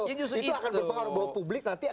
itu akan berpengaruh bahwa publik nanti